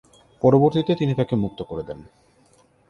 পরবর্তীতে তিনি তাকে মুক্ত করে দেন।